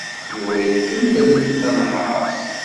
Yuba ikemmel tanhaṛt.